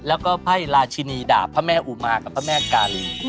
แล้วก็ไพ่ราชินีดาบพระแม่อุมากับพระแม่กาลี